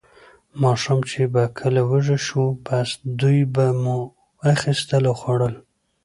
ماښام چې به کله وږي شوو، بس دوی به مو اخیستل او خوړل.